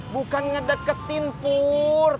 bukan ngedeketin pur